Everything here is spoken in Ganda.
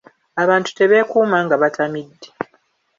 Abantu tebeekuuma nga batamidde.